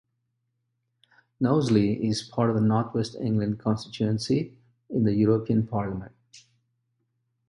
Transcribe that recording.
Knowsley is part of the North West England constituency in the European Parliament.